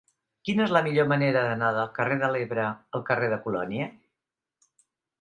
Quina és la millor manera d'anar del carrer de l'Ebre al carrer de Colònia?